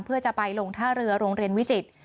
เพื่อจะไปลงท่าเรือโรงเรียนวิจิตร